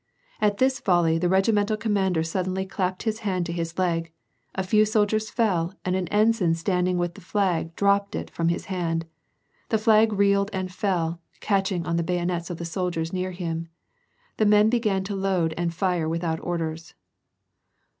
At this volley, the regimental commander suddenly clapped his hand to his leg ; a few soldiers fell and an ensign stand ing with the flag dropped it from his hand ; the flag reeled and fell, catching on the bayonets of the soldiers near him. The men began to load and Are without orders.